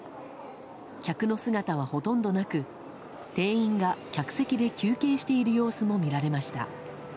客の姿はほとんどなく店員が客席で休憩している様子も見られました。